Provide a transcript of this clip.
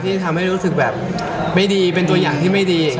ที่ทำให้รู้สึกแบบไม่ดีเป็นตัวอย่างที่ไม่ดี